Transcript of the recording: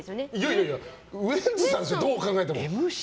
いやいや、ウエンツさんでしょどう考えても。